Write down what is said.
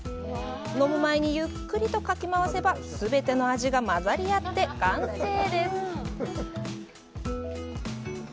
飲む前に、ゆっくりとかき回せば全ての味が混ざり合って完成です。